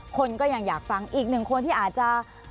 คนก็ยังอยากฟังอีกหนึ่งคนที่อาจจะ